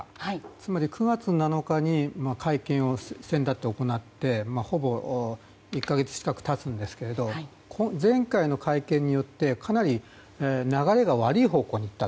つまり、９月７日に会見を先だって行ってほぼ１か月近く経つんですが前回の会見によってかなり流れが悪い方向にいった。